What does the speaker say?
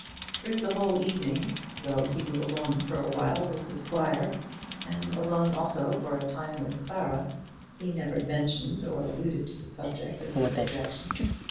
Through the whole evening, though he was alone for a while with the squire, and alone also for a time with Clara, he never mentioned or alluded to the subject of his rejection.